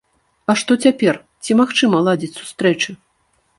А што цяпер, ці магчыма ладзіць сустрэчы?